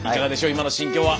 今の心境は。